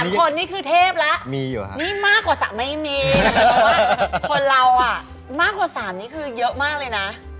มากกว่า๓นี่คือเยอะมากเลยนะ